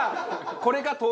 これか。